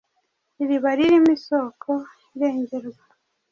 Iriba ririmo isoko irengerwa.